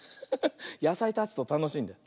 やさいたつとたのしいんだよ。